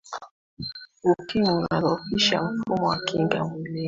ukimwi unadhoofisha mfumo wa kinga mwilini